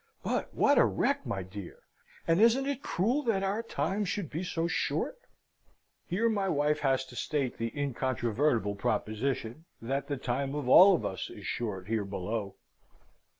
But what a wreck, my dear: and isn't it cruel that our time should be so short?" Here my wife has to state the incontrovertible proposition, that the time of all of us is short here below.